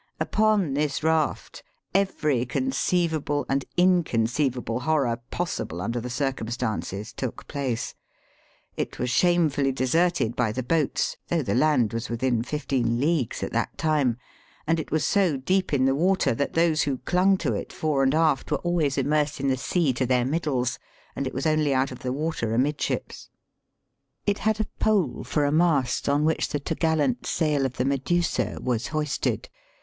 Upon this raft, ever, <,,;, ceivable and in conceivable horror, possible under the cir cumstances, took place. It was slrtmefullv deserted by the boats (though the land was within fifteen leagues at that time), and it was so deep in the water that those who clung to it, fore and afr, were always im mersed in the sea to their middles, and it was only out of the water amidships. It had a pole for a mast, on which the top gallant sail of the Medusa was hoisted.